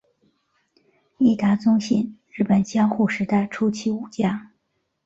伊达宗信日本江户时代初期武将。